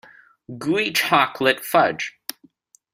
Gooey chocolate fudge.